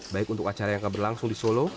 baik untuk acara yang keberlangsung di solo